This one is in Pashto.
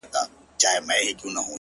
وه ه ژوند به يې تياره نه وي”